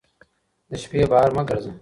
د شپې بهر مه ګرځه